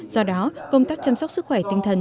do đó công tác chăm sóc sức khỏe tinh thần